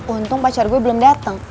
untung pacar gue belum datang